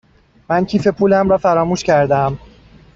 من کیف پولم را فراموش کرده ام.